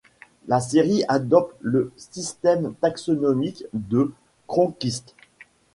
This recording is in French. La série adopte le système taxonomique de Cronquist.